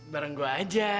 bareng gue aja